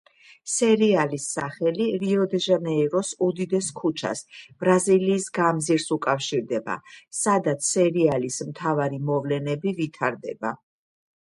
სერიალის სახელი რიო-დე-ჟანეიროს უდიდეს ქუჩას, ბრაზილიის გამზირს უკავშირდება, სადაც სერიალის მთავარი მოვლენები ვითარდება.